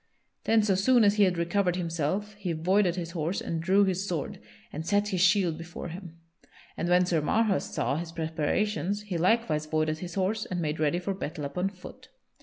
Then so soon as he had recovered himself he voided his horse and drew his sword and set his shield before him; and when Sir Marhaus saw his preparations, he likewise voided his horse and made ready for battle upon foot.